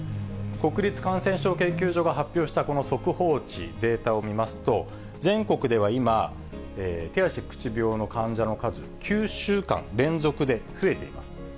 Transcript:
国立感染症研究所が発表したこの速報値、データを見ますと、全国では今、手足口病の患者の数、９週間連続で増えています。